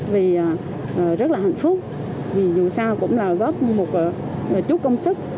vì rất là hạnh phúc vì dù sao cũng là góp một chút công sức